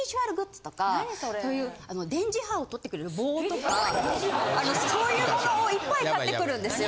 ・何それ・電磁波をとってくれる棒とかそういうものをいっぱい買ってくるんですよ。